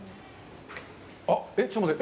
あっ、ちょっと待って。